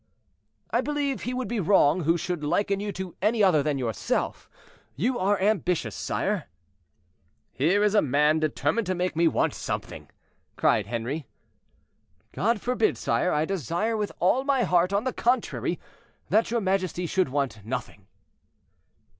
"I believe he would be wrong who should liken you to any other than yourself. You are ambitious, sire." "Here is a man determined to make me want something," cried Henri. "God forbid, sire; I desire with all my heart, on the contrary, that your majesty should want nothing."